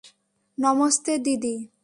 নমস্তে, দিদি।